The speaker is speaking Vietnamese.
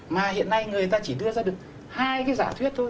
mà hiện nay người ta chỉ đưa ra được hai cái giả thuyết thôi